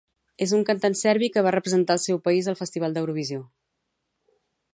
És un cantant serbi que va representar el seu país al festival d'Eurovisió.